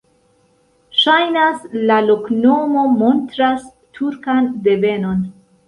Ŝajnas, la loknomo montras turkan devenon.